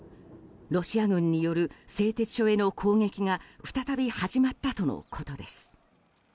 ロシア軍による製鉄所への攻撃が再び始まったとのことです。